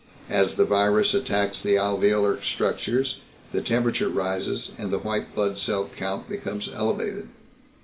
As the virus attacks the alveolar structures, the temperature rises and the white blood cell count becomes elevated.